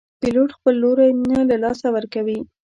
پیلوټ خپل لوری نه له لاسه ورکوي.